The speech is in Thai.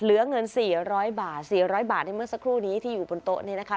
เหลือเงินสี่หร้อยบาทสี่หรือร้อยบาทในเมื่อสักครู่นี้ที่อยู่บนโต๊ะนี่นะคะ